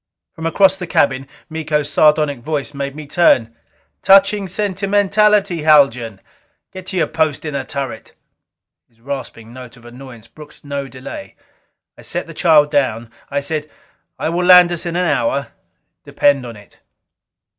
From across the cabin, Miko's sardonic voice made me turn. "Touching sentimentality, Haljan! Get to your post in the turret!" His rasping note of annoyance brooked no delay. I set the child down. I said, "I will land us in an hour. Depend on it."